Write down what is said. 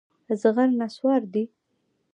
زغر نصواري دي.